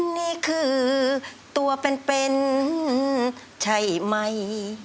นี่คือตัวเป็นใช่ไหม